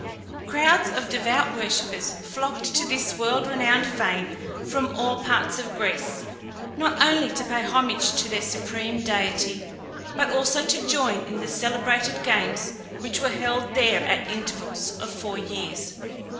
Crowds of devout worshippers flocked to this world renowned fane from all parts of Greece, not only to pay homage to their supreme deity, but also to join in the celebrated games which were held there at intervals of four years.